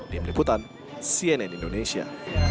di peliputan cnn indonesia